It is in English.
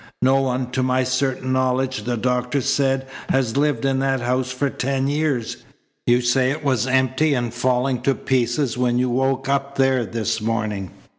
"No one, to my certain knowledge," the doctor said, "has lived in that house for ten years. You say it was empty and falling to pieces when you woke up there this morning."